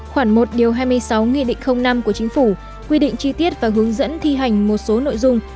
khoảng một điều hai mươi sáu nghị định năm của chính phủ quy định chi tiết và hướng dẫn thi hành một số nội dung